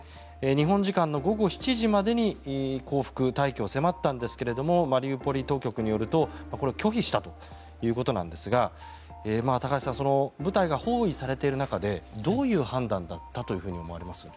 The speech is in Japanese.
日本時間午後７時までに降伏、退去を迫ったのですがマリウポリ当局によると拒否したということなんですが高橋さん部隊が包囲されている中でどういう判断だったと思われますか？